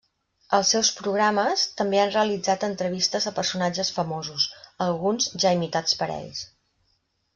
Als seus programes, també han realitzat entrevistes a personatges famosos, alguns ja imitats per ells.